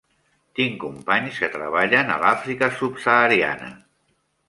Tinc companys que treballen a l'Àfrica subsahariana.